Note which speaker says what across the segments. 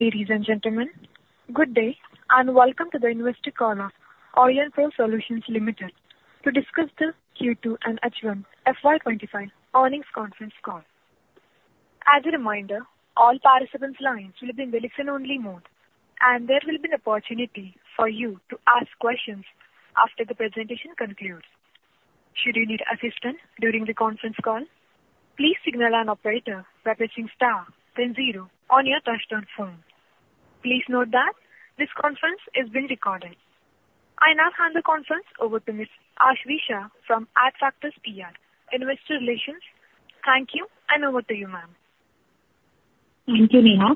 Speaker 1: Ladies and gentlemen, good day and welcome to the investor corner of Aurionpro Solutions Limited to discuss the Q2 and H1 FY 2025 earnings conference call. As a reminder, all participants' lines will be in the listen-only mode, and there will be an opportunity for you to ask questions after the presentation concludes. Should you need assistance during the conference call, please signal an operator by pressing star then zero on your touch-tone phone. Please note that this conference is being recorded. I now hand the conference over to Ms. Aashvi Shah from Adfactors PR, Investor Relations. Thank you, and over to you, ma'am.
Speaker 2: Thank you, Nima.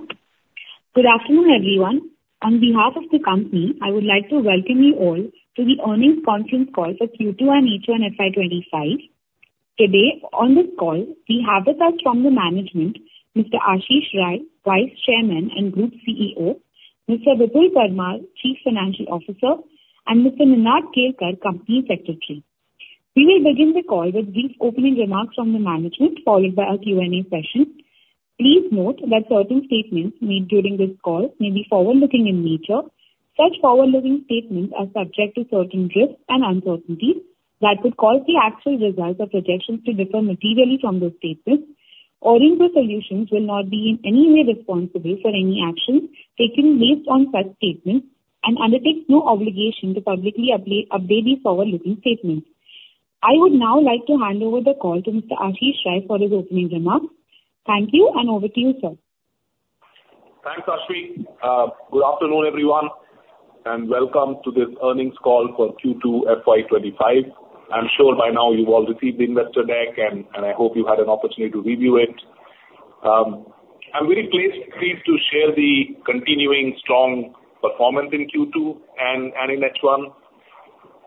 Speaker 2: Good afternoon, everyone. On behalf of the company, I would like to welcome you all to the earnings conference call for Q2 and H1 FY 2025. Today, on this call, we have with us from the management, Mr. Ashish Rai, Vice Chairman and Group CEO, Mr. Vipul Parmar, Chief Financial Officer, and Mr. Ninad Kelkar, Company Secretary. We will begin the call with brief opening remarks from the management, followed by a Q&A session. Please note that certain statements made during this call may be forward-looking in nature. Such forward-looking statements are subject to certain risks and uncertainties that could cause the actual results or projections to differ materially from those statements. Aurionpro Solutions will not be in any way responsible for any actions taken based on such statements and undertakes no obligation to publicly update these forward-looking statements. I would now like to hand over the call to Mr. Ashish Rai for his opening remarks. Thank you, and over to you, sir.
Speaker 3: Thanks, Aashvi. Good afternoon, everyone, and welcome to this earnings call for Q2 FY 2025. I'm sure by now you've all received the investor deck, and I hope you've had an opportunity to review it. I'm very pleased to share the continuing strong performance in Q2 and in H1.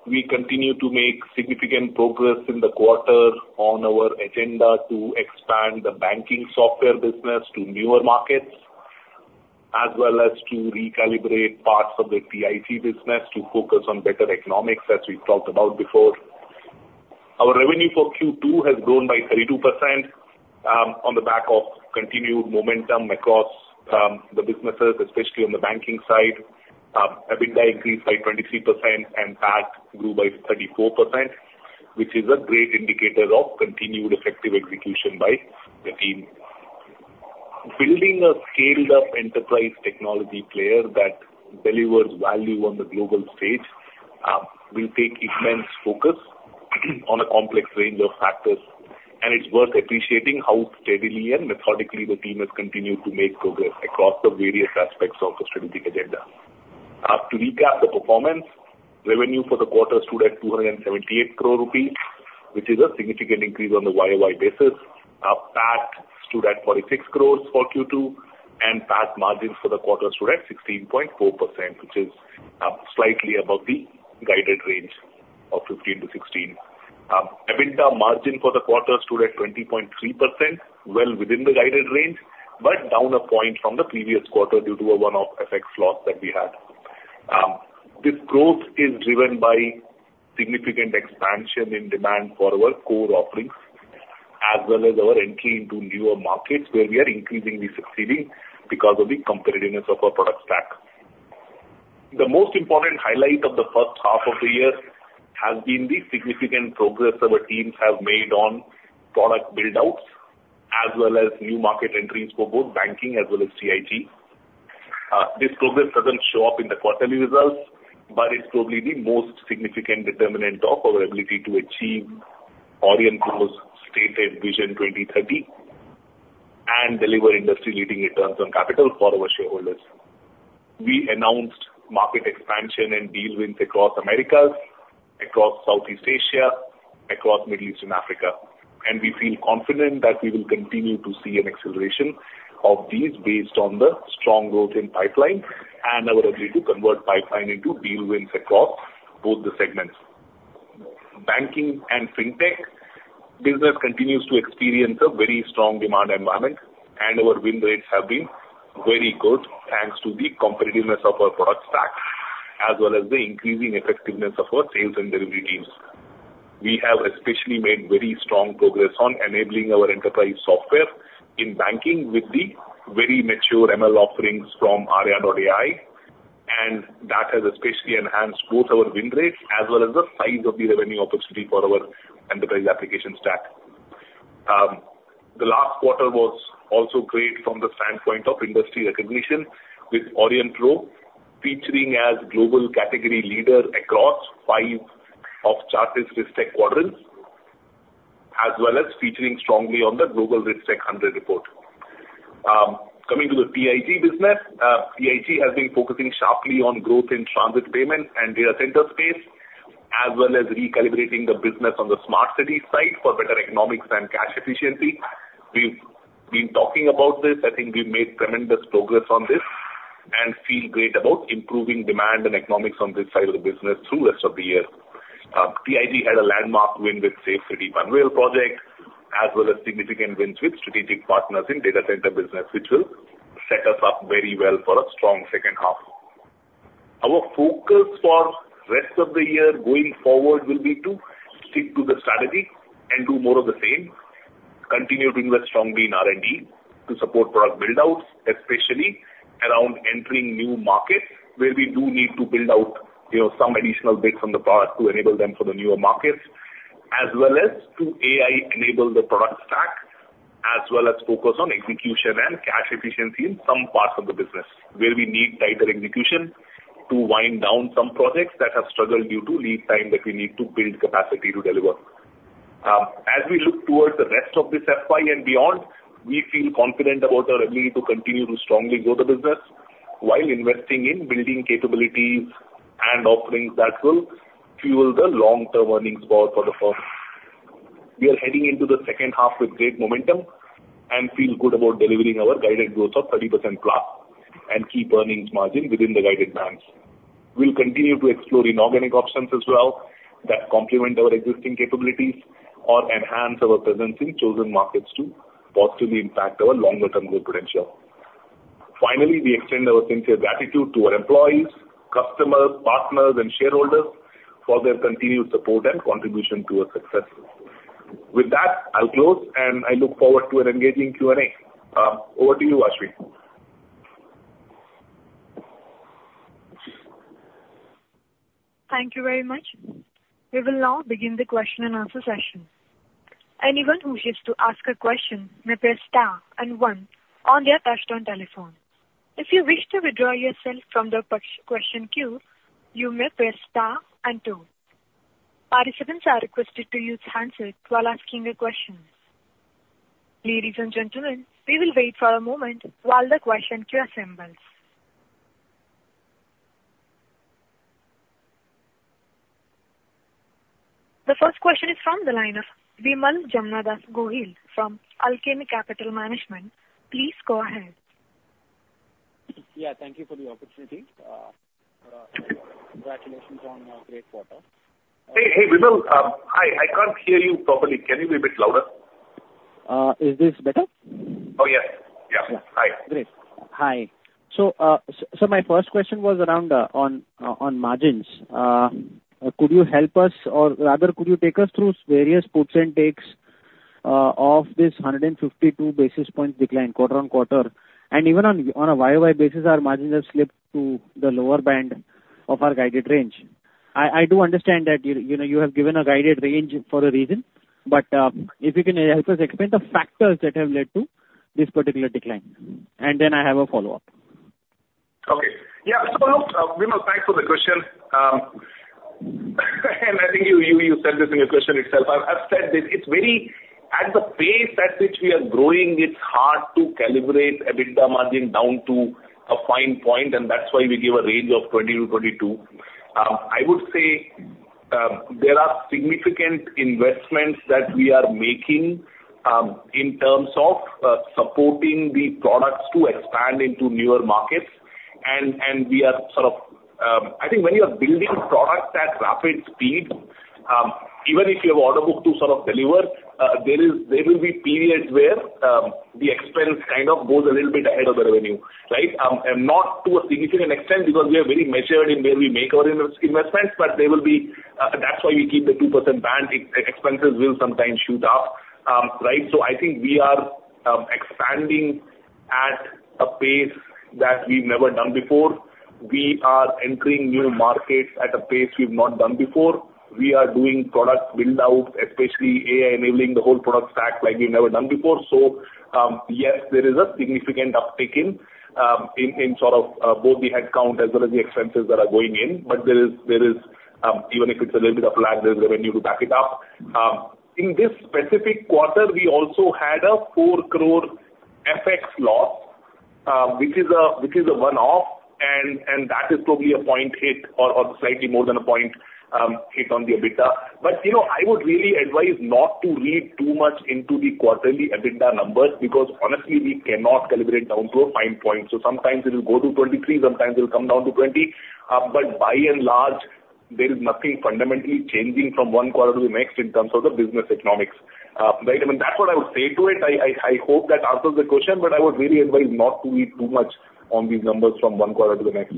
Speaker 3: We continue to make significant progress in the quarter on our agenda to expand the banking software business to newer markets, as well as to recalibrate parts of the TIG business to focus on better economics, as we've talked about before. Our revenue for Q2 has grown by 32% on the back of continued momentum across the businesses, especially on the banking side. EBITDA increased by 23%, and PAT grew by 34%, which is a great indicator of continued effective execution by the team. Building a scaled-up enterprise technology player that delivers value on the global stage will take immense focus on a complex range of factors, and it's worth appreciating how steadily and methodically the team has continued to make progress across the various aspects of the strategic agenda. To recap the performance, revenue for the quarter stood at 278 crore rupees, which is a significant increase on the YoY basis. PAT stood at 46 crore for Q2, and PAT margins for the quarter stood at 16.4%, which is slightly above the guided range of 15%-16%. EBITDA margin for the quarter stood at 20.3%, well within the guided range, but down a point from the previous quarter due to a one-off FX loss that we had. This growth is driven by significant expansion in demand for our core offerings, as well as our entry into newer markets where we are increasingly succeeding because of the competitiveness of our product stack. The most important highlight of the first half of the year has been the significant progress our teams have made on product buildouts, as well as new market entries for both banking as well as TIC. This progress doesn't show up in the quarterly results, but it's probably the most significant determinant of our ability to achieve Aurionpro's stated vision 2030 and deliver industry-leading returns on capital for our shareholders. We announced market expansion and deal wins across America, across Southeast Asia, across Middle Eastern Africa, and we feel confident that we will continue to see an acceleration of these based on the strong growth in pipeline and our ability to convert pipeline into deal wins across both the segments. Banking and fintech business continues to experience a very strong demand environment, and our win rates have been very good thanks to the competitiveness of our product stack, as well as the increasing effectiveness of our sales and delivery teams. We have especially made very strong progress on enabling our enterprise software in banking with the very mature ML offerings from Arya.ai, and that has especially enhanced both our win rates as well as the size of the revenue opportunity for our enterprise application stack. The last quarter was also great from the standpoint of industry recognition, with Aurionpro featuring as global category leader across five of Chartis RiskTech Quadrants, as well as featuring strongly on the RiskTech100 report. Coming to the TIG business, TIG has been focusing sharply on growth in transit payment and data center space, as well as recalibrating the business on the smart city side for better economics and cash efficiency. We've been talking about this. I think we've made tremendous progress on this and feel great about improving demand and economics on this side of the business through the rest of the year. TIG had a landmark win with Safe City Panvel project, as well as significant wins with strategic partners in data center business, which will set us up very well for a strong second half. Our focus for the rest of the year going forward will be to stick to the strategy and do more of the same, continue to invest strongly in R&D to support product buildouts, especially around entering new markets where we do need to build out some additional bits on the product to enable them for the newer markets, as well as to AI-enable the product stack, as well as focus on execution and cash efficiency in some parts of the business where we need tighter execution to wind down some projects that have struggled due to lead time that we need to build capacity to deliver. As we look towards the rest of this FY and beyond, we feel confident about our ability to continue to strongly grow the business while investing in building capabilities and offerings that will fuel the long-term earnings growth for the firm. We are heading into the second half with great momentum and feel good about delivering our guided growth of 30%+ and keep earnings margin within the guided bands. We'll continue to explore inorganic options as well that complement our existing capabilities or enhance our presence in chosen markets to optimally impact our longer-term growth potential. Finally, we extend our sincere gratitude to our employees, customers, partners, and shareholders for their continued support and contribution to our success. With that, I'll close, and I look forward to an engaging Q&A. Over to you, Aashvi.
Speaker 1: Thank you very much. We will now begin the question and answer session. Anyone who wishes to ask a question may press star and one on their touch-tone telephone. If you wish to withdraw yourself from the question queue, you may press star and two. Participants are requested to use handsets while asking a question. Ladies and gentlemen, we will wait for a moment while the question queue assembles. The first question is from the line of Vimal Jamnadas Gohil from Alchemy Capital Management. Please go ahead.
Speaker 4: Yeah, thank you for the opportunity. Congratulations on a great quarter.
Speaker 3: Hey, Vimal, I can't hear you properly. Can you be a bit louder?
Speaker 4: Is this better?
Speaker 3: Oh, yeah. Yeah. Hi.
Speaker 4: Great. Hi. So my first question was around on margins. Could you help us, or rather, could you take us through various puts and takes of this 152 basis points decline quarter-on-quarter? And even on a YoY basis, our margins have slipped to the lower band of our guided range. I do understand that you have given a guided range for a reason, but if you can help us explain the factors that have led to this particular decline, and then I have a follow-up.
Speaker 3: Okay. Yeah. So Vimal, thanks for the question. And I think you said this in your question itself. I've said this. It's very at the pace at which we are growing, it's hard to calibrate EBITDA margin down to a fine point, and that's why we give a range of 20%-22%. I would say there are significant investments that we are making in terms of supporting the products to expand into newer markets. And we are sort of, I think when you are building products at rapid speed, even if you have order book to sort of deliver, there will be periods where the experience kind of goes a little bit ahead of the revenue, right? Not to a significant extent because we are very measured in where we make our investments, but there will be, that's why we keep the 2% band. Expenses will sometimes shoot up, right? So I think we are expanding at a pace that we've never done before. We are entering new markets at a pace we've not done before. We are doing product buildout, especially AI-enabling the whole product stack like we've never done before. So yes, there is a significant uptick in sort of both the headcount as well as the expenses that are going in, but there is, even if it's a little bit of lag, there's revenue to back it up. In this specific quarter, we also had a 4 crore FX loss, which is a one-off, and that is probably a point hit or slightly more than a point hit on the EBITDA. But I would really advise not to read too much into the quarterly EBITDA numbers because honestly, we cannot calibrate down to a fine point. So sometimes it will go to 23, sometimes it will come down to 20. But by and large, there is nothing fundamentally changing from one quarter to the next in terms of the business economics, right? I mean, that's what I would say to it. I hope that answers the question, but I would really advise not to read too much on these numbers from one quarter to the next.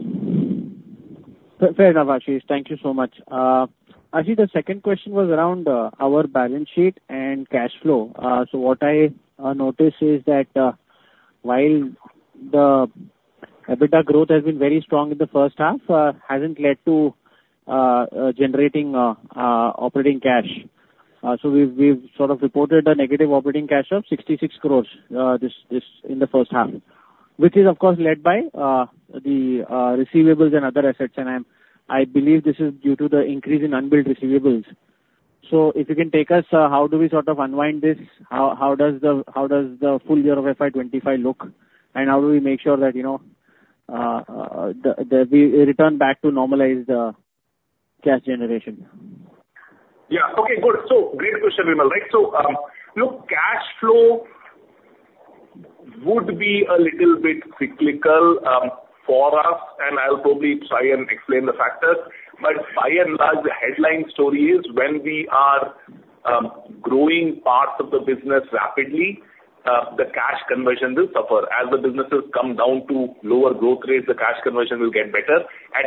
Speaker 4: Fair enough, Ashish. Thank you so much. Ashish, the second question was around our balance sheet and cash flow. So what I noticed is that while the EBITDA growth has been very strong in the first half, it hasn't led to generating operating cash. So we've sort of reported a negative operating cash of 66 crore in the first half, which is, of course, led by the receivables and other assets. And I believe this is due to the increase in unbilled receivables. So if you can take us, how do we sort of unwind this? How does the full year of FY 2025 look? And how do we make sure that we return back to normalize the cash generation?
Speaker 3: Yeah. Okay, good. So great question, Vimal, right? So cash flow would be a little bit cyclical for us, and I'll probably try and explain the factors. But by and large, the headline story is when we are growing parts of the business rapidly, the cash conversion will suffer. As the businesses come down to lower growth rates, the cash conversion will get better. I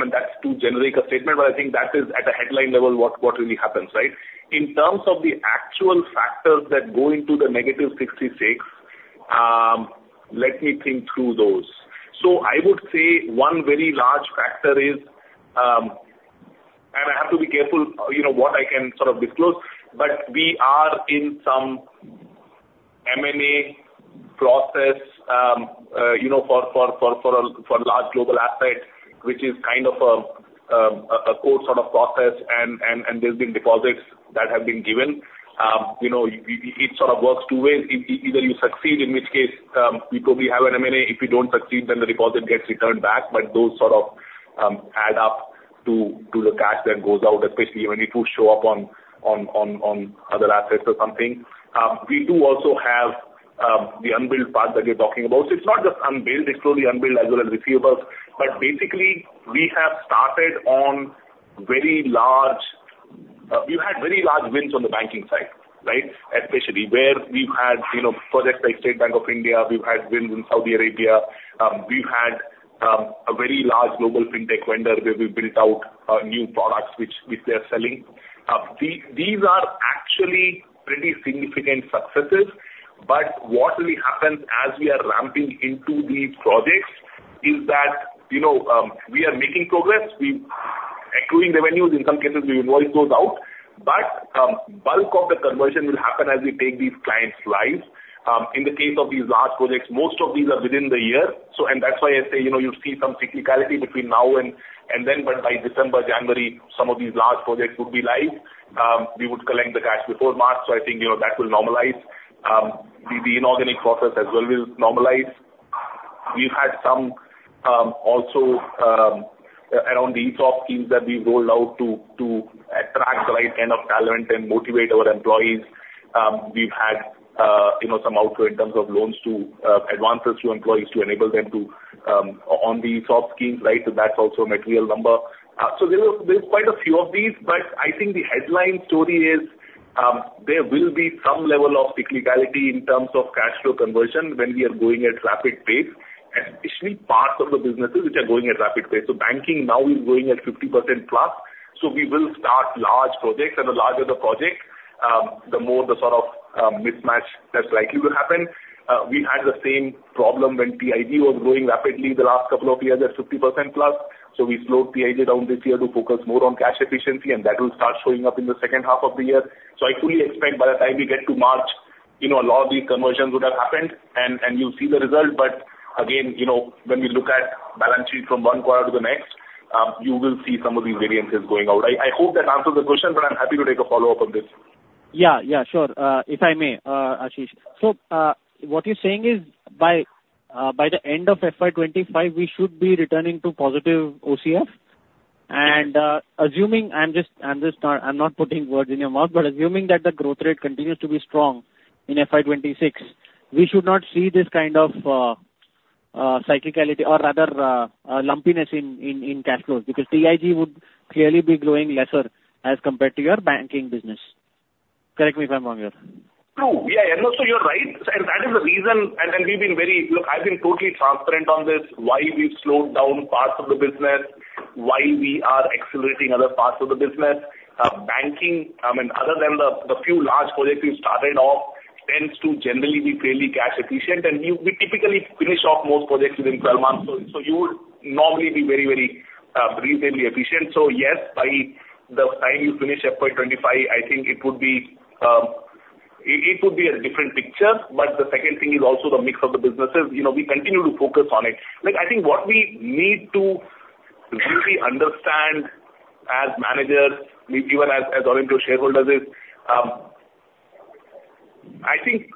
Speaker 3: mean, that's to generate a statement, but I think that is at the headline level what really happens, right? In terms of the actual factors that go into the -66, let me think through those. So I would say one very large factor is, and I have to be careful what I can sort of disclose, but we are in some M&A process for a large global asset, which is kind of a core sort of process, and there's been deposits that have been given. It sort of works two ways. Either you succeed, in which case we probably have an M&A. If you don't succeed, then the deposit gets returned back, but those sort of add up to the cash that goes out, especially when you show up on other assets or something. We do also have the unbilled part that you're talking about. So it's not just unbilled. It's truly unbilled as well as receivables. But basically, we have started on very large - we've had very large wins on the banking side, right? Especially where we've had projects like State Bank of India, we've had wins in Saudi Arabia, we've had a very large global fintech vendor where we built out new products which they are selling. These are actually pretty significant successes, but what really happens as we are ramping into the projects is that we are making progress. We are accruing revenues. In some cases, we invoice those out, but bulk of the conversion will happen as we take these clients live. In the case of these large projects, most of these are within the year, and that's why I say you'll see some cyclicality between now and then, but by December, January, some of these large projects would be live. We would collect the cash before March, so I think that will normalize. The inorganic process as well will normalize. We've had some also around the ESOP schemes that we've rolled out to attract the right kind of talent and motivate our employees. We've had some outflow in terms of loans to advances to employees to enable them to on the ESOP schemes, right? So that's also a material number. So there are quite a few of these, but I think the headline story is there will be some level of cyclicality in terms of cash flow conversion when we are going at rapid pace, and especially parts of the businesses which are going at rapid pace, so banking now is going at 50%+, so we will start large projects, and the larger the project, the more the sort of mismatch that likely will happen. We had the same problem when TIG was growing rapidly the last couple of years at 50%+. So we slowed TIG down this year to focus more on cash efficiency, and that will start showing up in the second half of the year. So I fully expect by the time we get to March, a lot of these conversions would have happened, and you'll see the result. But again, when we look at balance sheet from one quarter to the next, you will see some of these variances going out. I hope that answers the question, but I'm happy to take a follow-up on this.
Speaker 4: Yeah, yeah, sure. If I may, Ashish. So what you're saying is by the end of FY 2025, we should be returning to positive OCF. And assuming I'm just not putting words in your mouth, but assuming that the growth rate continues to be strong in FY 2026, we should not see this kind of cyclicality or rather lumpiness in cash flows because TIG would clearly be growing lesser as compared to your banking business. Correct me if I'm wrong.
Speaker 3: True. Yeah, and also you're right. And that is the reason, and we've been very. I've been totally transparent on this, why we've slowed down parts of the business, why we are accelerating other parts of the business. Banking, I mean, other than the few large projects we've started off, tends to generally be fairly cash efficient, and we typically finish off most projects within 12 months. So you would normally be very, very reasonably efficient. So yes, by the time you finish FY 2025, I think it would be a different picture. But the second thing is also the mix of the businesses. We continue to focus on it. I think what we need to really understand as managers, even as our shareholders, is I think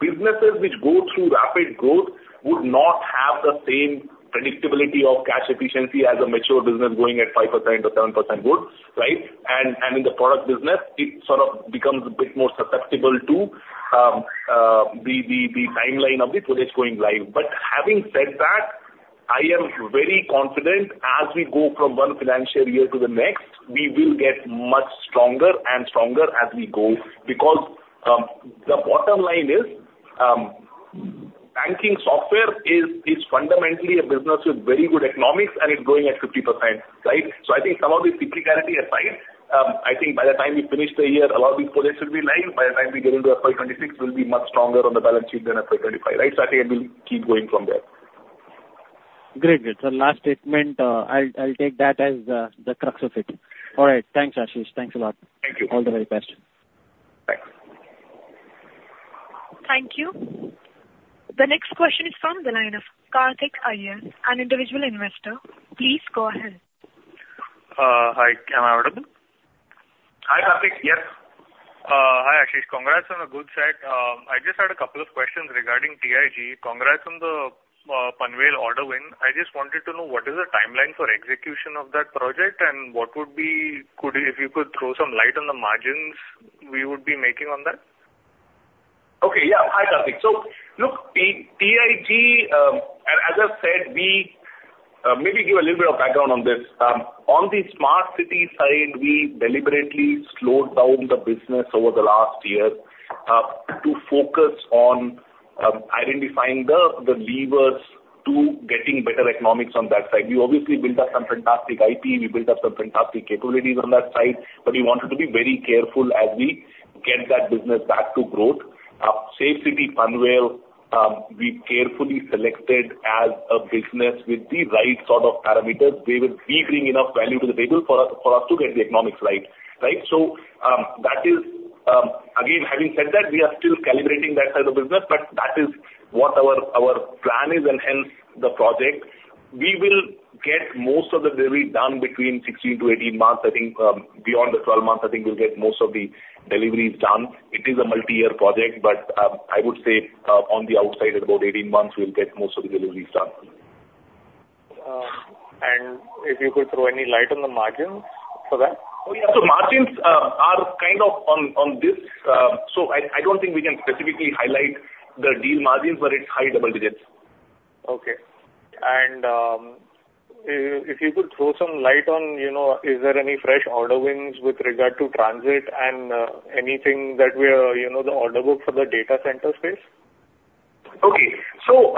Speaker 3: businesses which go through rapid growth would not have the same predictability of cash efficiency as a mature business going at 5% or 7% growth, right, and in the product business, it sort of becomes a bit more susceptible to the timeline of the projects going live, but having said that, I am very confident as we go from one financial year to the next, we will get much stronger and stronger as we go because the bottom line is banking software is fundamentally a business with very good economics, and it's going at 50%, right, so I think some of this cyclicality aside, I think by the time we finish the year, a lot of these projects will be live. By the time we get into FY 2026, we'll be much stronger on the balance sheet than FY 2025, right? So I think it will keep going from there.
Speaker 4: Great. So last statement, I'll take that as the crux of it. All right. Thanks, Ashish. Thanks a lot.
Speaker 3: Thank you.
Speaker 4: All the very best.
Speaker 3: Bye.
Speaker 1: Thank you. The next question is from the line of Karthik Iyer, an individual investor. Please go ahead. Hi, can I add on?
Speaker 3: Hi, Karthik. Yes. Hi, Ashish. Congrats on the good set. I just had a couple of questions regarding TIG. Congrats on the Panvel order win. I just wanted to know what is the timeline for execution of that project and what would be, if you could throw some light on the margins we would be making on that? Okay. Yeah. Hi, Karthik. So look, TIG, as I've said, we maybe give a little bit of background on this. On the smart city side, we deliberately slowed down the business over the last year to focus on identifying the levers to getting better economics on that side. We obviously built up some fantastic IP, and we built up some fantastic capabilities on that side, but we wanted to be very careful as we get that business back to growth. Safe City Panvel, we've carefully selected as a business with the right sort of parameters. They will be bringing enough value to the table for us to get the economics right, right? So that is, again, having said that, we are still calibrating that side of the business, but that is what our plan is, and hence the project. We will get most of the delivery done between 16-18 months. I think beyond the 12 months, I think we'll get most of the deliveries done. It is a multi-year project, but I would say on the outside, at about 18 months, we'll get most of the deliveries done. If you could throw any light on the margins for that? Oh, yeah. So margins are kind of on this. So I don't think we can specifically highlight the deal margins, but it's high double digits. Okay. And if you could throw some light on, is there any fresh order wins with regard to transit and what is the order book for the data center space? Okay. So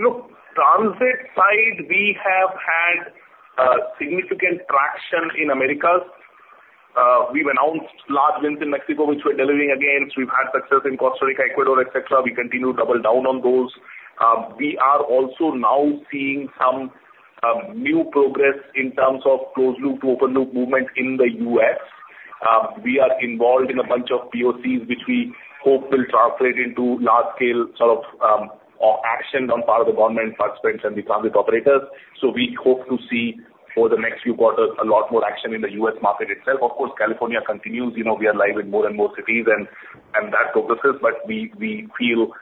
Speaker 3: look, transit side, we have had significant traction in America. We've announced large wins in Mexico, which we're delivering again. We've had success in Costa Rica, Ecuador, etc. We continue to double down on those. We are also now seeing some new progress in terms of closed-loop to open-loop movement in the U.S. We are involved in a bunch of POCs, which we hope will translate into large-scale sort of action on part of the government, such as the transit operators. So we hope to see for the next few quarters a lot more action in the U.S. market itself. Of course, California continues. We are working with more and more cities, and that progresses, but we feel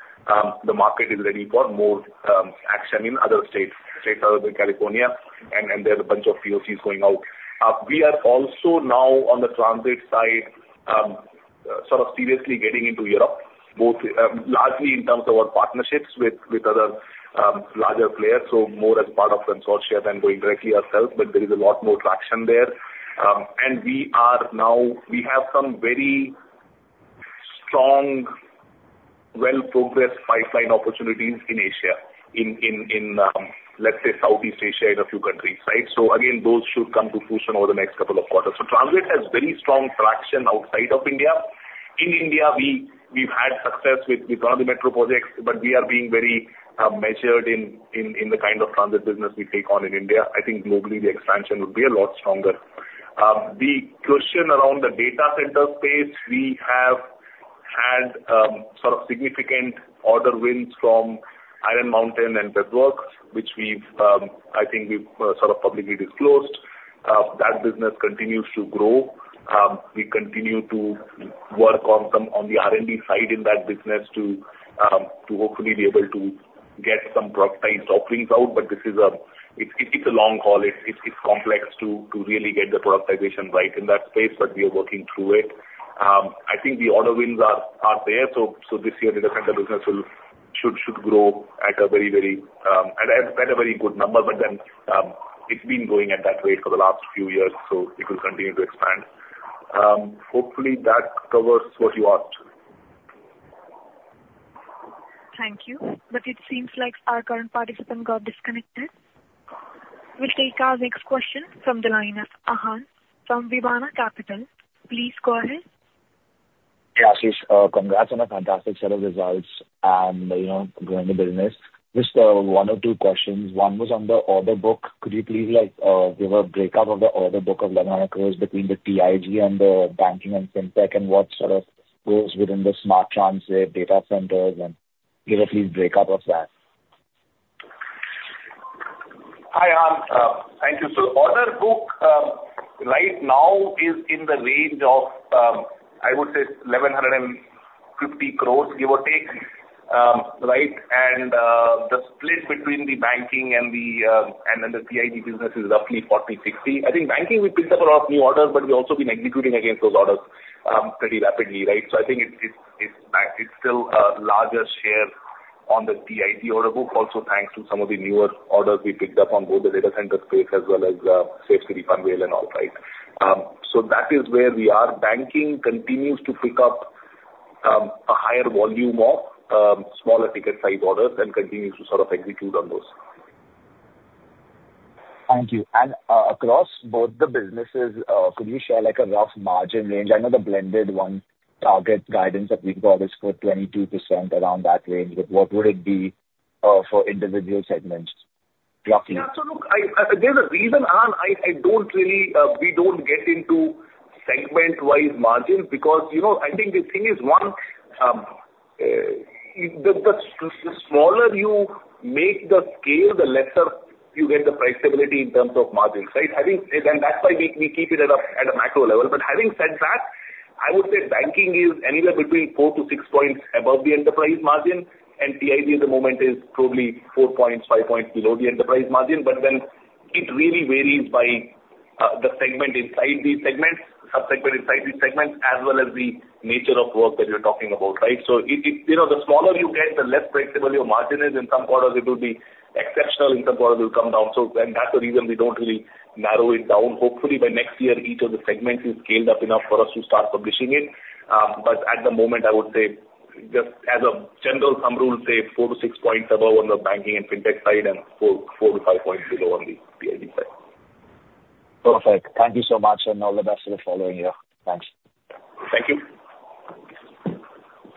Speaker 3: the market is ready for more action in other states other than California, and there are a bunch of POCs going out. We are also now on the transit side, sort of seriously getting into Europe, both largely in terms of our partnerships with other larger players, so more as part of consortia than going directly ourselves, but there is a lot more traction there, and we are now, we have some very strong, well-progressed pipeline opportunities in Asia, in, let's say, Southeast Asia and a few countries, right, so again, those should come to fruition over the next couple of quarters, so transit has very strong traction outside of India. In India, we've had success with one of the metro projects, but we are being very measured in the kind of transit business we take on in India. I think globally, the expansion would be a lot stronger. The question around the data center space, we have had sort of significant order wins from Iron Mountain and Web Werks, which I think we've sort of publicly disclosed. That business continues to grow. We continue to work on the R&D side in that business to hopefully be able to get some productized offerings out, but it's a long haul. It's complex to really get the productization right in that space, but we are working through it. I think the order wins are there. So this year, data center business should grow at a very, very good number, but then it's been going at that rate for the last few years, so it will continue to expand. Hopefully, that covers what you asked.
Speaker 1: Thank you. But it seems like our current participant got disconnected. We'll take our next question from the line of Ahaan from Vivana Capital. Please go ahead. Yeah, Ashish, congrats on a fantastic set of results and growing the business. Just one or two questions. One was on the order book. Could you please give a breakout of the order book of level and across between the TIG and the banking and fintech, and what sort of goes within the smart transit, data centers, and give a brief breakout of that?
Speaker 3: Hi, Ahaan. Thank you. So order book right now is in the range of, I would say, 1,150 crores, give or take, right? And the split between the banking and the TIG business is roughly 40/60. I think banking we picked up a lot of new orders, but we've also been executing against those orders pretty rapidly, right? So I think it's still a larger share on the TIG order book, also thanks to some of the newer orders we picked up on both the data center space as well as Safe City Panvel and all, right? So that is where we are. Banking continues to pick up a higher volume of smaller ticket-sized orders and continues to sort of execute on those. Thank you. And across both the businesses, could you share a rough margin range? I know the blended one target guidance that we've got is for 22% around that range, but what would it be for individual segments? Yeah. So look, there's a reason, Ahaan, I don't really get into segment-wise margins because I think the thing is, one, the smaller you make the scale, the lesser you get the price stability in terms of margins, right? And that's why we keep it at a macro level. But having said that, I would say banking is anywhere between four to six points above the enterprise margin, and TIG at the moment is probably four points, five points below the enterprise margin, but then it really varies by the segment inside these segments, subsegment inside these segments, as well as the nature of work that you're talking about, right? So the smaller you get, the less predictable your margin is, and some quarters it will be exceptional, and some quarters it will come down. So then that's the reason we don't really narrow it down. Hopefully, by next year, each of the segments is scaled up enough for us to start publishing it. But at the moment, I would say, just as a general thumb rule, say four to six points above on the banking and fintech side and four to five points below on the TIG side. Perfect. Thank you so much, and all the best for the following year. Thanks. Thank you.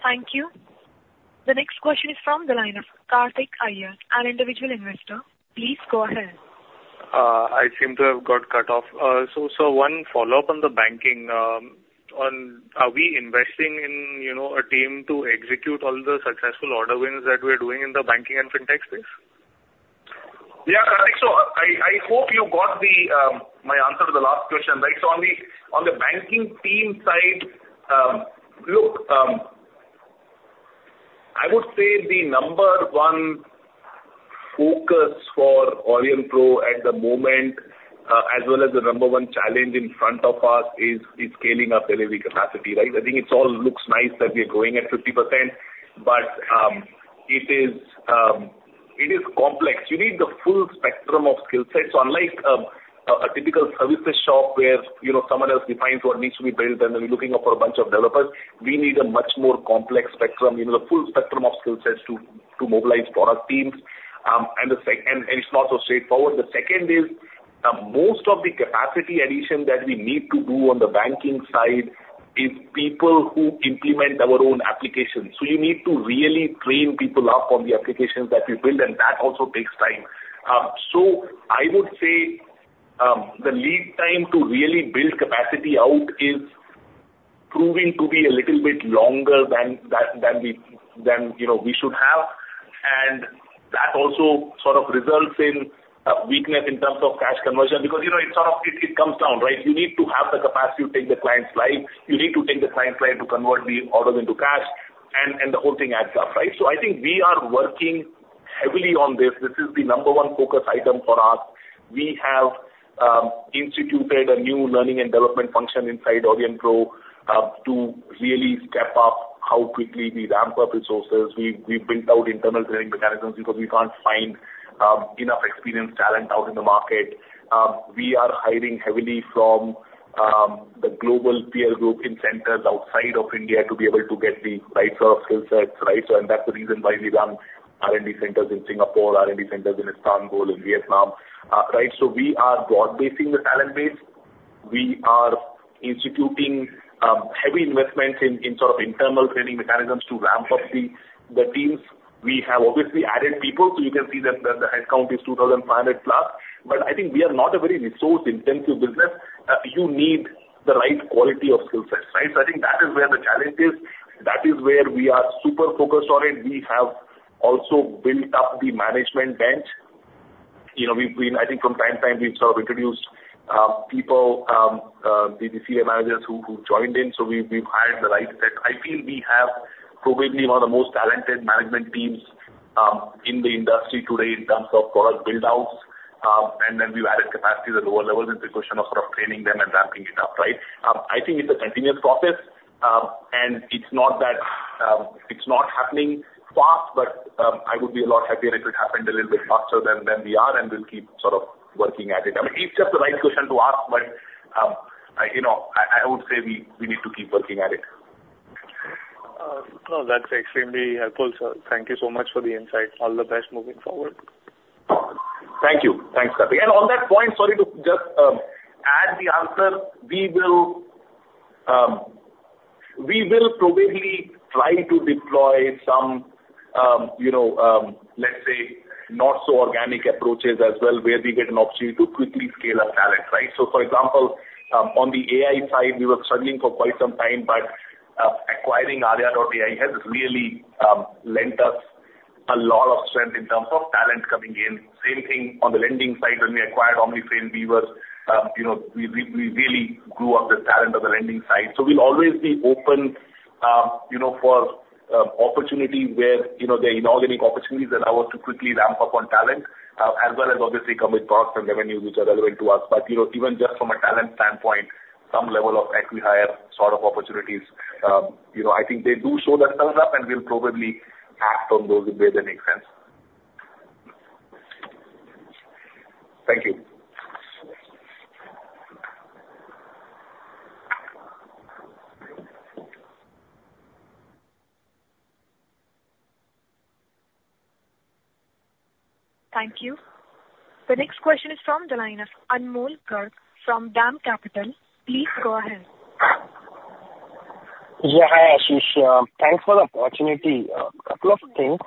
Speaker 1: Thank you. The next question is from the line of Karthik Iyer, an individual investor. Please go ahead. I seem to have got cut off, so one follow-up on the banking. Are we investing in a team to execute all the successful order wins that we're doing in the banking and fintech space?
Speaker 3: Yeah, Karthik, so I hope you got my answer to the last question, right? So on the banking team side, look, I would say the number one focus for Aurionpro at the moment, as well as the number one challenge in front of us, is scaling up lab capacity, right? I think it all looks nice that we're going at 50%, but it is complex. You need the full spectrum of skill sets. So unlike a typical services shop where someone else defines what needs to be built and we're rounding up a bunch of developers, we need a much more complex spectrum, the full spectrum of skill sets to mobilize product teams. And it's not so straightforward. The second is most of the capacity addition that we need to do on the banking side is people who implement our own applications. So you need to really train people up on the applications that we build, and that also takes time. So I would say the lead time to really build capacity out is proving to be a little bit longer than we should have. And that also sort of results in weakness in terms of cash conversion because it comes down, right? You need to have the capacity to take the client's flight. You need to take the client's flight to convert the orders into cash, and the whole thing adds up, right? So I think we are working heavily on this. This is the number one focus item for us. We have instituted a new learning and development function inside Aurionpro to really step up how quickly we ramp up resources. We've built out internal training mechanisms because we can't find enough experienced talent out in the market. We are hiring heavily from the global peer group in centers outside of India to be able to get the right sort of skill sets, right? And that's the reason why we run R&D centers in Singapore, R&D centers in Istanbul, in Vietnam, right? So we are broad-basing the talent base. We are instituting heavy investments in sort of internal training mechanisms to ramp up the teams. We have obviously added people, so you can see that the headcount is 2,500+, but I think we are not a very resource-intensive business. You need the right quality of skill sets, right? So I think that is where the challenge is. That is where we are super focused on it. We have also built up the management bench. I think from time to time, we've sort of introduced people, BBCA managers who joined in, so we've hired the right. I feel we have probably one of the most talented management teams in the industry today in terms of product buildouts, and then we've added capacity at a lower level in the question of sort of training them and ramping it up, right? I think it's a continuous process, and it's not that it's not happening fast, but I would be a lot happier if it happened a little bit faster than we are, and we'll keep sort of working at it. I mean, it's just the right question to ask, but I would say we need to keep working at it. No, that's extremely helpful. So thank you so much for the insight. All the best moving forward. Thank you. Thanks, Karthik. On that point, sorry to just add the answer, we will probably try to deploy some, let's say, not-so-organic approaches as well where we get an opportunity to quickly scale our talents, right? For example, on the AI side, we were struggling for quite some time, but acquiring Arya.ai has really lent us a lot of strength in terms of talent coming in. Same thing on the lending side. When we acquired Omnifin, we really grew up the talent on the lending side. We'll always be open for opportunities where there are inorganic opportunities that allow us to quickly ramp up on talent, as well as obviously commit costs and revenues, which are relevant to us. But even just from a talent standpoint, some level of acqui-hire sort of opportunities, I think they do show that number up, and we'll probably act on those if they make sense. Thank you.
Speaker 1: Thank you. The next question is from the line of Anmol Garg from DAM Capital. Please go ahead.
Speaker 5: Yeah, hi, Ashish. Thanks for the opportunity. A couple of things.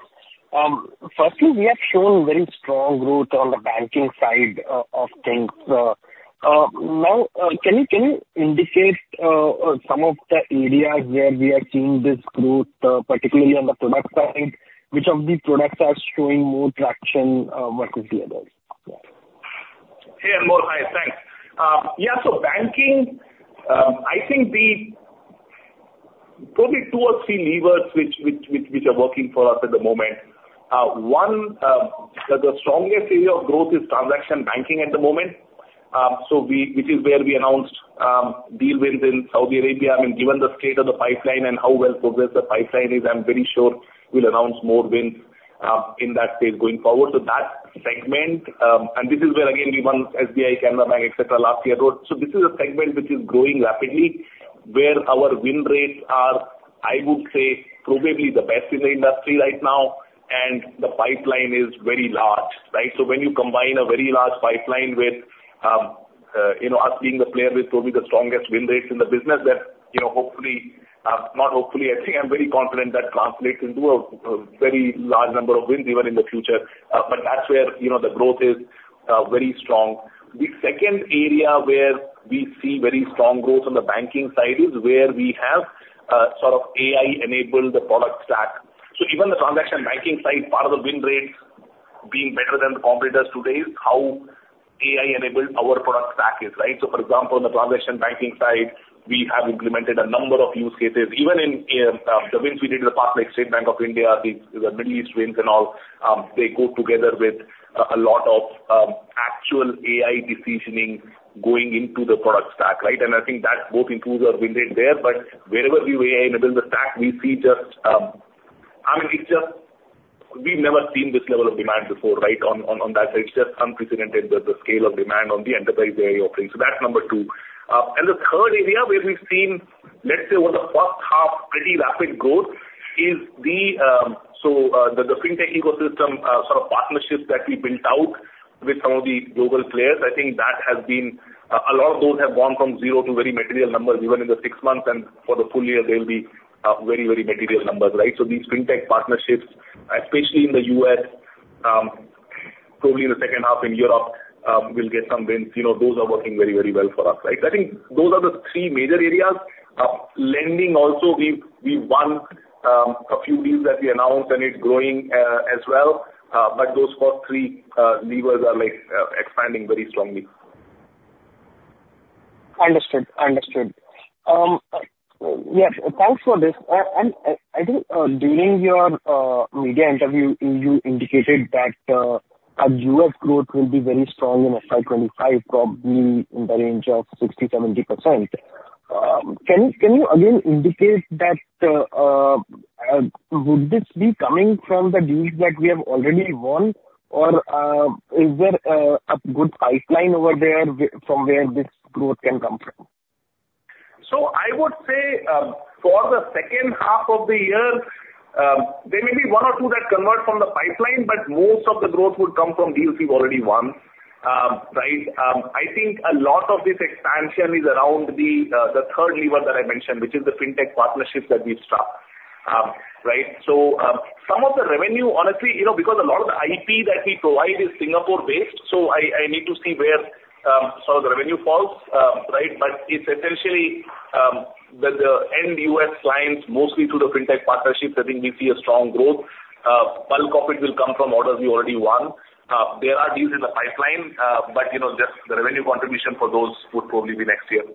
Speaker 5: Firstly, we have shown very strong growth on the banking side of things. Now, can you indicate some of the areas where we are seeing this growth, particularly on the product side? Which of these products are showing more traction versus the other?
Speaker 3: Hey, Anmol, hi. Thanks. Yeah, so banking, I think probably two or three levers which are working for us at the moment. One, the strongest area of growth is transaction banking at the moment, which is where we announced deal wins in Saudi Arabia. I mean, given the state of the pipeline and how well progressed the pipeline is, I'm pretty sure we'll announce more wins in that state going forward. So that segment, and this is where, again, we won SBI, Canara Bank, etc., last year. So this is a segment which is growing rapidly, where our win rates are, I would say, probably the best in the industry right now, and the pipeline is very large, right? So when you combine a very large pipeline with us being the player with probably the strongest win rates in the business, then hopefully, not hopefully, I think I'm very confident that translates into a very large number of wins even in the future, but that's where the growth is very strong. The second area where we see very strong growth on the banking side is where we have sort of AI-enabled the product stack, so even the transaction banking side, part of the win rates being better than the competitors today is how AI-enabled our product stack is, right, so for example, on the transaction banking side, we have implemented a number of use cases. Even in the wins we did in the past, like State Bank of India, the Middle East wins and all, they go together with a lot of actual AI decisioning going into the product stack, right? And I think that both improves our win rate there. But wherever we AI-enable the stack, we see just, I mean, it's just we've never seen this level of demand before, right? On that side, it's just unprecedented with the scale of demand on the enterprise area of things. So that's number two. And the third area where we've seen, let's say, over the past half, pretty rapid growth is the fintech ecosystem sort of partnerships that we built out with some of the global players. I think that has been a lot of those have gone from zero to very material numbers even in the six months, and for the full year, they'll be very, very material numbers, right? So these fintech partnerships, especially in the U.S., probably in the second half in Europe, will get some wins. Those are working very, very well for us, right? So I think those are the three major areas. Lending also, we won a few deals that we announced, and it's growing as well. But those first three levers are expanding very strongly.
Speaker 5: Understood. Understood. Yeah, thanks for this. And I think during your media interview, you indicated that U.S. growth will be very strong in FY 2025, probably in the range of 60%-70%. Can you again indicate that? Would this be coming from the deals that we have already won, or is there a good pipeline over there from where this growth can come from?
Speaker 3: So I would say for the second half of the year, there may be one or two that convert from the pipeline, but most of the growth would come from deals we've already won, right? I think a lot of this expansion is around the third lever that I mentioned, which is the fintech partnerships that we've struck, right? So some of the revenue, honestly, because a lot of the IP that we provide is Singapore-based, so I need to see where some of the revenue falls, right? But it's essentially the end-user U.S. clients, mostly through the fintech partnerships. I think we see a strong growth. Bulk of it will come from orders we already won. There are deals in the pipeline, but just the revenue contribution for those would probably be next year.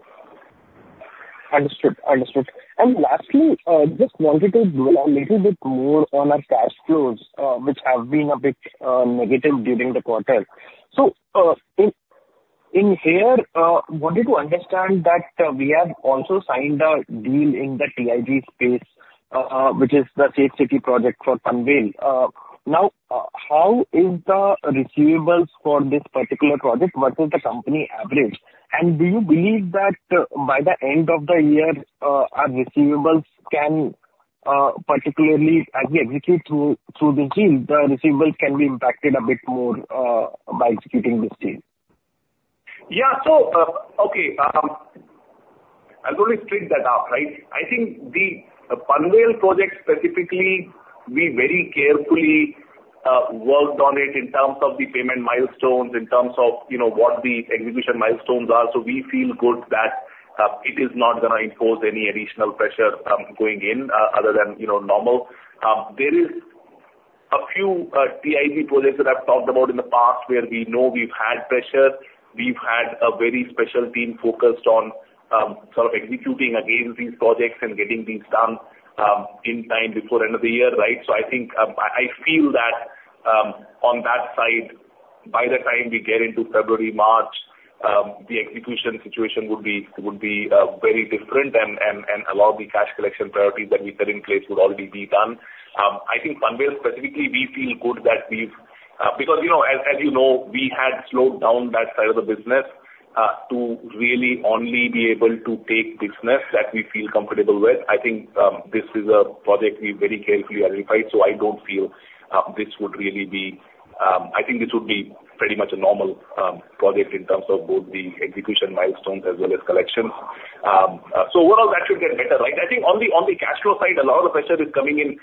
Speaker 5: Understood. Understood. And lastly, just wanted to go a little bit more on our cash flows, which have been a bit negative during the quarter. So in here, wanted to understand that we have also signed a deal in the TIG space, which is the Safe City project for Panvel. Now, how is the receivables for this particular project? What will the company advance? And do you believe that by the end of the year, our receivables can particularly, as we execute through these deals, the receivables can be impacted a bit more by executing these deals?
Speaker 3: Yeah. So, okay, I'll probably sort that out, right? I think the Panvel project specifically, we very carefully worked on it in terms of the payment milestones, in terms of what the execution milestones are. So we feel good that it is not going to impose any additional pressure going in other than normal. There are a few TIG projects that I've talked about in the past where we know we've had pressure. We've had a very special team focused on sort of executing again these projects and getting these done in time before end of the year, right? So I think I feel that on that side, by the time we get into February, March, the execution situation would be very different, and a lot of the cash collection priorities that we set in place would already be done. I think the Panvel specifically, we feel good that we've, as you know, we had slowed down that side of the business to really only be able to take business that we feel comfortable with. I think this is a project we very carefully identified, so I think this would be pretty much a normal project in terms of both the execution milestones as well as collections. So overall, that should get better, right? I think on the cash flow side, a lot of the pressure is coming in.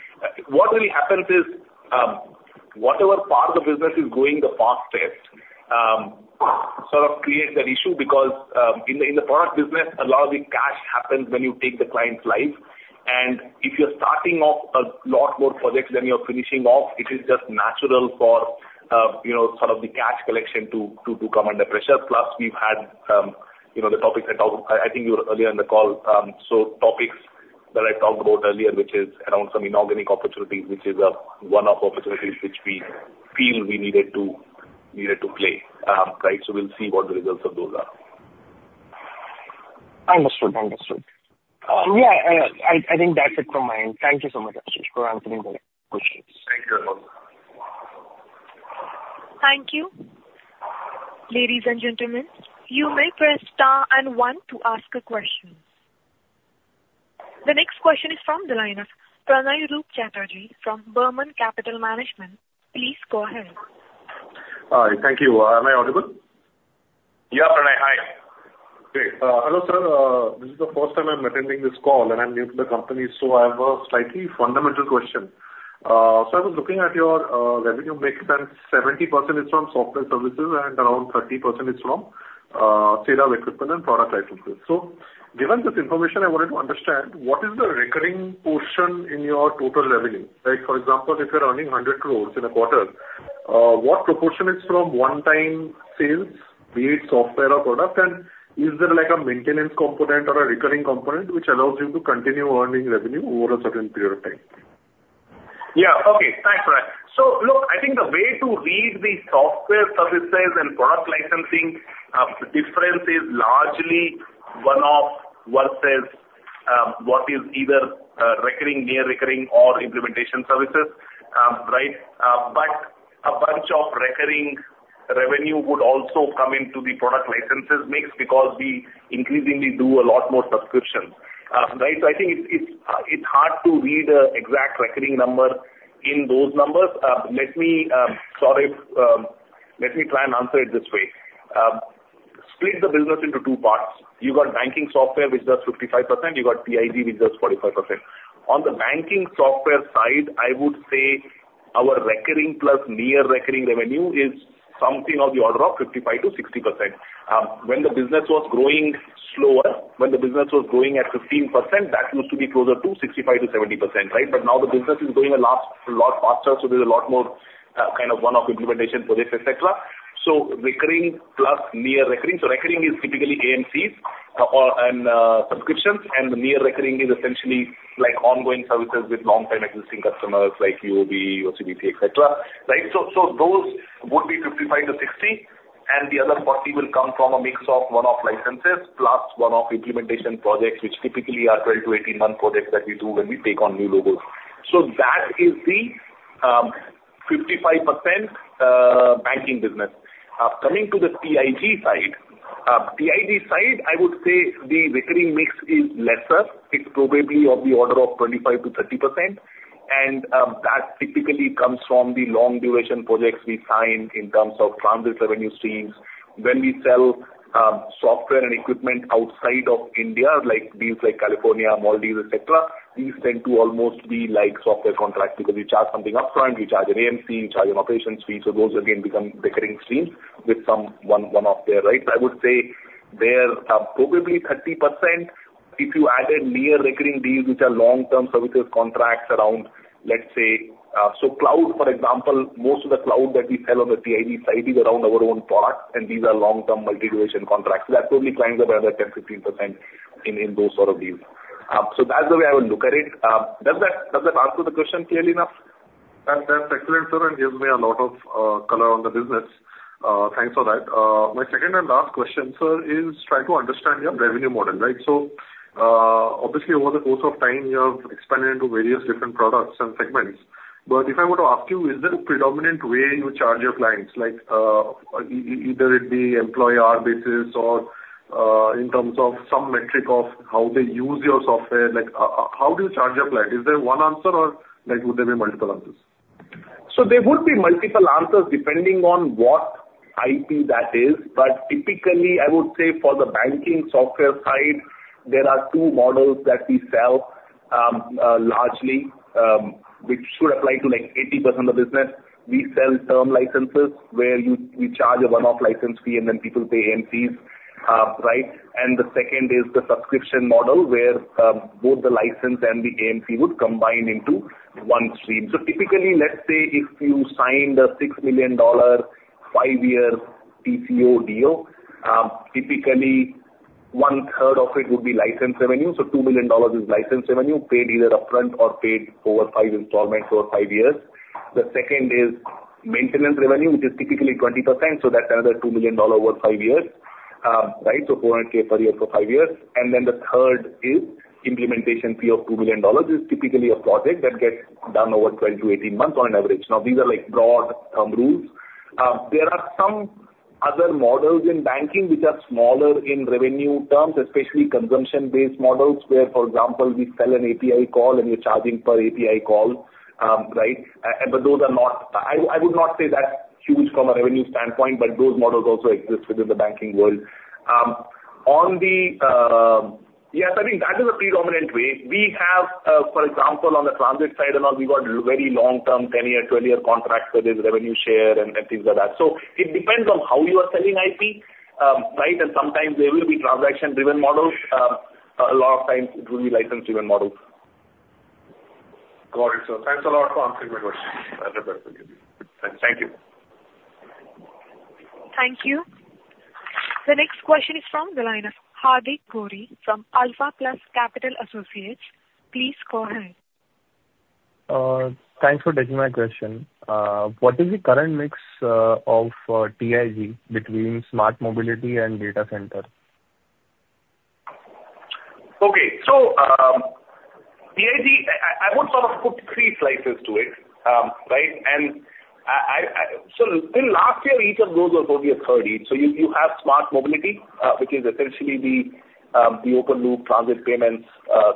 Speaker 3: What really happens is whatever part of the business is going the fastest sort of creates that issue because in the product business, a lot of the cash happens when you take the client live. If you're starting off a lot more projects than you're finishing off, it is just natural for sort of the cash collection to come under pressure. Plus, we've had the topics I talked about. I think you were earlier in the call, so topics that I talked about earlier, which is around some inorganic opportunities, which is one of the opportunities which we feel we needed to play, right? So we'll see what the results of those are.
Speaker 5: Understood. Understood. Yeah, I think that's it from my end. Thank you so much, Ashish, for answering the questions.
Speaker 3: Thank you.
Speaker 1: Thank you. Ladies and gentlemen, you have press star and one to ask a question. The next question is from the line of Pranay Roop Chatterjee from Burman Capital Management. Please go ahead.
Speaker 6: Hi. Thank you. Am I audible?
Speaker 3: Yeah, Pranay. Hi.
Speaker 6: Great. Hello, sir. This is the first time I'm attending this call, and I'm new to the company, so I have a slightly fundamental question. So I was looking at your revenue, making that 70% is from software services and around 30% is from sale of equipment and product licenses. So given this information, I wanted to understand what is the recurring portion in your total revenue, right? For example, if you're earning 100 crore in a quarter, what proportion is from one-time sales created software or product, and is there a maintenance component or a recurring component which allows you to continue earning revenue over a certain period of time?
Speaker 3: Yeah. Okay. Thanks, Pranay. So look, I think the way to read the software services and product licensing difference is largely one-off versus what is either recurring, near-recurring, or implementation services, right? But a bunch of recurring revenue would also come into the product licenses mix because we increasingly do a lot more subscriptions, right? So I think it's hard to read an exact recurring number in those numbers. Sorry, let me try and answer it this way. Split the business into two parts. You got banking software, which does 55%. You got TIG, which does 45%. On the banking software side, I would say our recurring plus near-recurring revenue is something of the order of 55%-60%. When the business was growing slower, when the business was growing at 15%, that used to be closer to 65%-70%, right? But now the business is growing a lot faster, so there's a lot more kind of one-off implementation projects, etc. So recurring plus near-recurring. So recurring is typically AMCs and subscriptions, and near-recurring is essentially ongoing services with long-time existing customers like UOB, OCBC, etc., right? So those would be 55%-60%. And the other 40% will come from a mix of one-off licenses plus one-off implementation projects, which typically are 12- to 18-month projects that we do when we take on new logos. So that is the 55% banking business. Coming to the TIG side, TIG side, I would say the recurring mix is lesser. It's probably of the order of 25%-30%. And that typically comes from the long-duration projects we sign in terms of transit revenue streams. When we sell software and equipment outside of India, like deals like California, Maldives, etc., these tend to almost be software contracts. Because you charge something upfront, you charge an AMC, you charge an operations fee. So those again become recurring streams with some one-off there, right? I would say they're probably 30% if you added near-recurring deals, which are long-term services contracts around, let's say, so cloud, for example, most of the cloud that we sell on the TIG side is around our own part, and these are long-term multi-duration contracts. That probably climbs up by about 10%-15% in those sort of deals. So that's the way I would look at it. Does that answer the question clearly enough?
Speaker 6: That's excellent, sir, and gives me a lot of color on the business. Thanks for that. My second and last question, sir, is trying to understand your revenue model, right? So obviously, over the course of time, you have expanded into various different products and segments. But if I were to ask you, is there a predominant way you charge your clients, like either it be per employee basis or in terms of some metric of how they use your software? How do you charge your client? Is there one answer, or would there be multiple answers?
Speaker 3: There would be multiple answers depending on what IP that is. But typically, I would say for the banking software side, there are two models that we sell largely, which should apply to like 80% of the business. We sell term licenses, where we charge a one-off license fee, and then people pay AMCs, right? And the second is the subscription model, where both the license and the AMC would combine into one stream. Typically, let's say if you signed a $6 million five-year TCO deal, typically 1/3 of it would be license revenue. So $2 million is license revenue paid either upfront or paid over five installments over five years. The second is maintenance revenue, which is typically 20%. So that's another $2 million over five years, right? So $400,000 per year for five years. And then the third is implementation fee of $2 million. It's typically a project that gets done over 12-18 months on average. Now, these are broad rules. There are some other models in banking which are smaller in revenue terms, especially consumption-based models, where, for example, we sell an API call, and you're charging per API call, right? But those are not. I would not say that's huge from a revenue standpoint, but those models also exist within the banking world. On the yes, I think that is a predominant way. We have, for example, on the transit side and all, we've got very long-term 10-year, 20-year contracts with revenue share and things like that. So it depends on how you are selling IP, right? And sometimes there will be transaction-driven models. A lot of times, it will be license-driven models.
Speaker 6: Got it, sir. Thanks a lot for answering my question. Thank you.
Speaker 1: Thank you. The next question is from the line of Hardeep Khouri from Alpha Plus Capital Associates. Please go ahead.
Speaker 7: Thanks for taking my question. What is the current mix of TIG between smart mobility and data center?
Speaker 3: Okay. TIG, I want to sort of put three slices to it, right? And so in last year, each of those were probably 1/3. So you have smart mobility, which is essentially the open-loop transit payments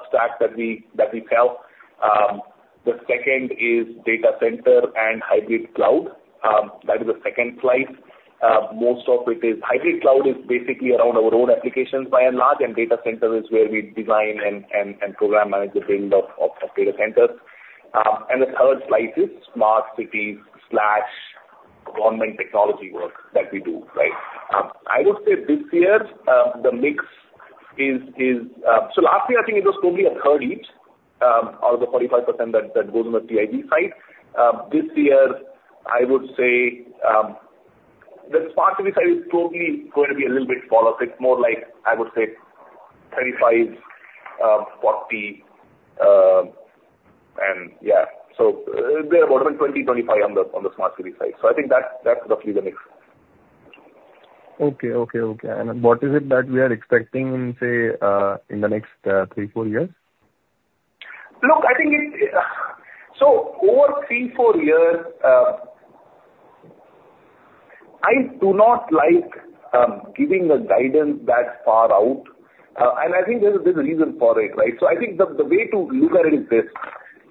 Speaker 3: stack that we sell. The second is data center and hybrid cloud. That is the second slice. Most of it is hybrid cloud is basically around our own applications by and large, and data center is where we design and program manage the data centers. And the third slice is smart cities/online technology work that we do, right? I would say this year, the mix is so last year, I think it was probably 1/3 each out of the 45% that goes on the TIG side. This year, I would say the smart city side is probably going to be a little bit smaller. It's more like, I would say, 35%-40%. And yeah, so they're more than 20%-25% on the smart city side. So I think that's roughly the mix.
Speaker 7: Okay, and what is it that we are expecting, say, in the next three, four years?
Speaker 3: Look, I think it's over three, four years. I do not like giving guidance that far out, and I think there's a bit of a reason for it, right, so I think the way to look at it is this.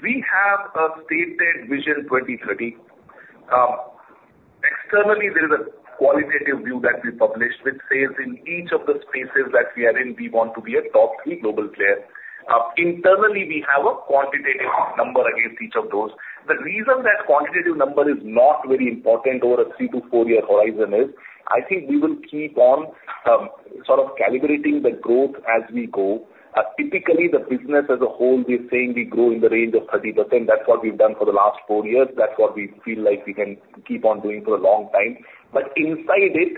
Speaker 3: We have a stated Vision 2030. Externally, there is a qualitative view that we published, which says in each of the spaces that we are in, we want to be a top three global player. Internally, we have a quantitative number against each of those. The reason that quantitative number is not very important over a three to four-year horizon is I think we will keep on sort of calibrating the growth as we go. Typically, the business as a whole, we're saying we grow in the range of 30%. That's what we've done for the last four years. That's what we feel like we can keep on doing for a long time. But inside it,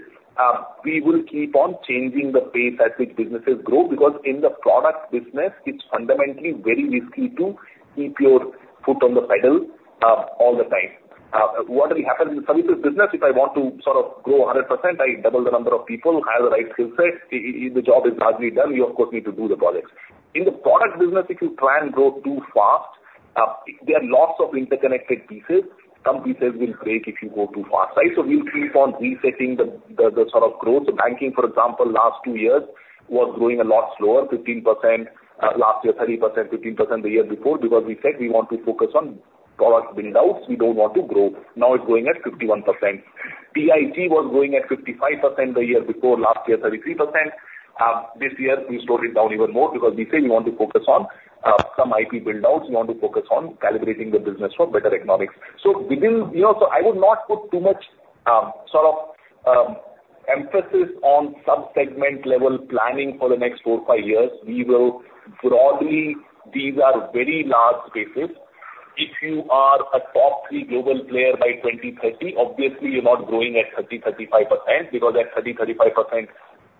Speaker 3: we will keep on changing the pace as these businesses grow because in the product business, it's fundamentally very risky to keep your foot on the pedal all the time. What will happen in the services business? If I want to sort of grow 100%, I double the number of people, hire the right skill set, the job is largely done. You, of course, need to do the projects. In the product business, if you plan growth too fast, there are lots of interconnected pieces. Some pieces will break if you go too fast, right? So we'll keep on resetting the sort of growth. The banking, for example, last two years was growing a lot slower, 15% last year, 30%, 15% the year before because we said we want to focus on product build-outs. We don't want to grow. Now it's going at 51%. TIG was going at 55% the year before, last year 33%. This year, we slowed it down even more because we say we want to focus on some IP build-outs. We want to focus on calibrating the business for better economics. So I would not put too much sort of emphasis on sub-segment level planning for the next four, five years. These are very large cases. If you are a top three global player by 2030, obviously, you're not growing at 30%-35% because at 30%-35%,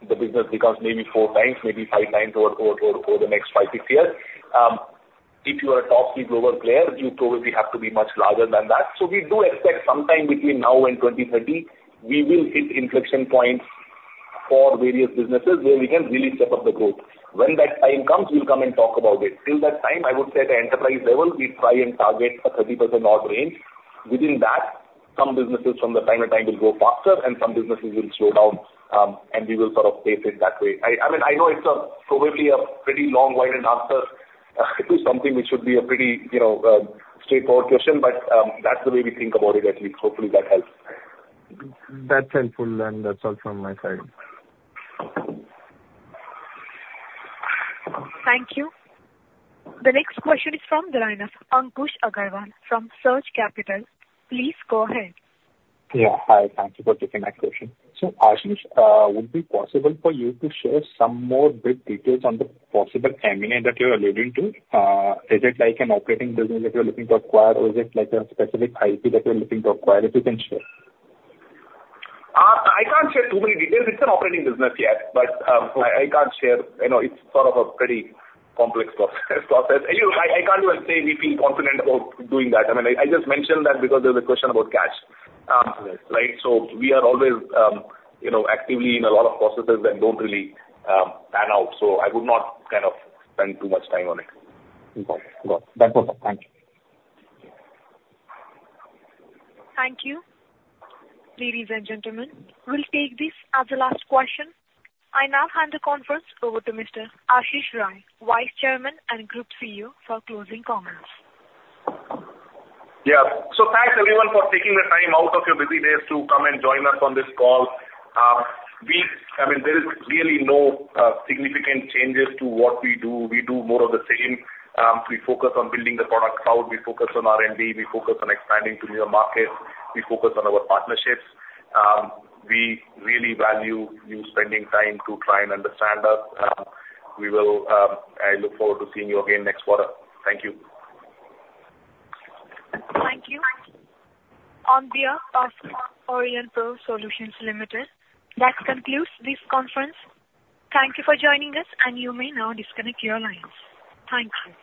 Speaker 3: the business becomes maybe four banks, maybe five banks over the next five years. If you are a top three global player, you probably have to be much larger than that. So we do expect sometime between now and 2020, we will hit inflection points for various businesses where we can really step up the growth. When that time comes, we'll come and talk about it. Till that time, I would say at the enterprise level, we try and target a 30% odd range. Within that, some businesses from time to time will grow faster, and some businesses will slow down, and we will sort of face it that way. I mean, I know it's probably a pretty long-winded answer. It is something which should be a pretty straightforward question, but that's the way we think about it, at least. Hopefully, that helps.
Speaker 7: That's helpful, and that's all from my side.
Speaker 1: Thank you. The next question is from the line of Ankush Agrawal from Surge Capital. Please go ahead.
Speaker 8: Yeah. Hi. Thank you for taking my question. So Ashish, would it be possible for you to share some more big details on the possible M&A that you're alluding to? Is it like an operating business that you're looking to acquire, or is it like a specific IP that you're looking to acquire if you can share?
Speaker 3: I can't share too many details. It's an operating business yet, but I can't share. It's sort of a pretty complex process. I can't say we feel confident about doing that. I mean, I just mentioned that because there was a question about cash, right? So we are always actively in a lot of processes and don't really pan out. So I would not kind of spend too much time on it.
Speaker 8: Okay. That's awesome. Thank you.
Speaker 1: Thank you. Ladies and gentlemen, we'll take this as the last question. I now hand the conference over to Mr. Ashish Rai, Vice Chairman and Group CEO, for closing comments.
Speaker 3: Yeah. So thanks, everyone, for taking the time out of your busy days to come and join us on this call. I mean, there is really no significant changes to what we do. We do more of the same. We focus on building the product cloud. We focus on R&D. We focus on expanding to new markets. We focus on our partnerships. We really value you spending time to try and understand us. I look forward to seeing you again next quarter. Thank you.
Speaker 1: Thank you. On behalf of Aurionpro Solutions Limited, that concludes this conference. Thank you for joining us, and you may now disconnect your lines. Thank you.